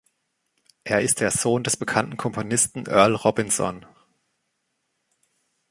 Er ist der Sohn des bekannten Komponisten Earl Robinson.